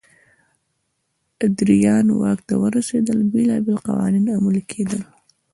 ادریان واک ته ورسېدل بېلابېل قوانین عملي کېدل.